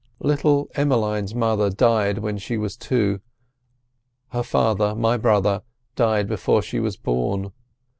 "Little Emmeline's mother died when she was two. Her father—my brother—died before she was born.